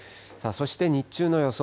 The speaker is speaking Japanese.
そして日中の予想